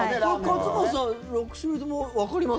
勝俣さん６種類ともわかります？